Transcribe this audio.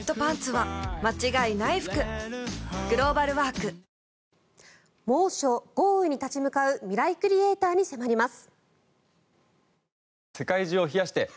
「クラフトボス」猛暑、豪雨に立ち向かうミライクリエイターに迫ります。